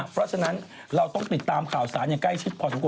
เพราะฉะนั้นเราต้องติดตามข่าวสารอย่างใกล้ชิดพอสมคว